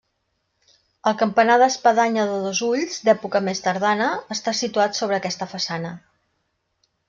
El campanar d'espadanya de dos ulls, d'època més tardana, està situat sobre aquesta façana.